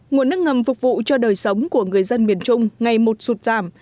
nguồn nước ngầm phục vụ cho đời sống của người dân miền trung ngày một sụt giảm